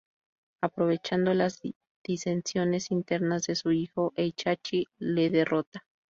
Aprovechando las disensiones internas de su hijo, Heihachi le derrota.